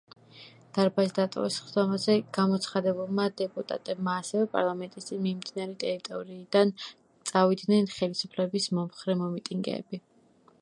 დარბაზი დატოვეს სხდომაზე გამოცხადებულმა დეპუტატებმა, ასევე, პარლამენტის წინ მიმდებარე ტერიტორიიდან წავიდნენ ხელისუფლების მომხრე მომიტინგეები.